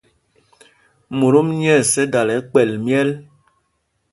Motom nyɛ̂ɛs dala kpɛ̌l myɛl.